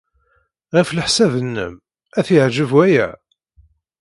Ɣef leḥsab-nnem, ad t-yeɛjeb waya?